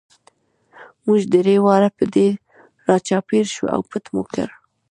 موږ درې واړه پر ده را چاپېر شو او پټ مو کړ.